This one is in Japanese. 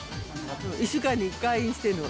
１週間に１回してるの。